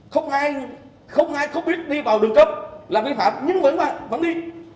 không ai không biết đi vào đường cấp là vi phạm nhưng vẫn đi